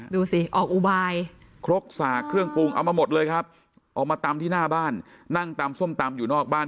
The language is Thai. ดูสิออกอุบายครกสากเครื่องปรุงเอามาหมดเลยครับออกมาตำที่หน้าบ้านนั่งตำส้มตำอยู่นอกบ้าน